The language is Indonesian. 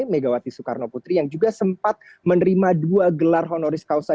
megawati soekarno putri yang juga sempat menerima dua gelar honoris causa